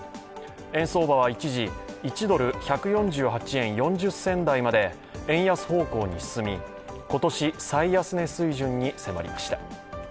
円相場は一時、１ドル＝１４８円４０銭台まで円安方向に進み、今年最安値水準に迫りました。